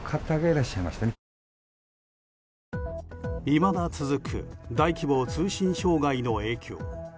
いまだ続く大規模通信障害の影響。